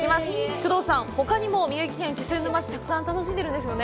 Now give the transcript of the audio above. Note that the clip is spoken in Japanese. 工藤さん、ほかにも宮城県気仙沼市をたくさん楽しんでいるんですよね？